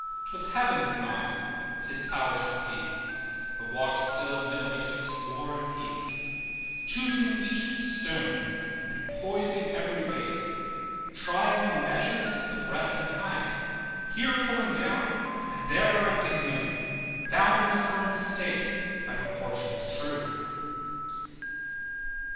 'Twas heaven would not that his power should cease, But walk still middle betwixt war and peace: Choosing each stone, and poising every weight, Trying the measures of the breadth and height; Here pulling down, and there erecting new, Founding a firm state by proportions true.